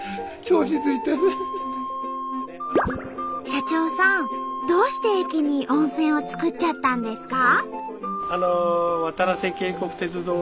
社長さんどうして駅に温泉を作っちゃったんですか？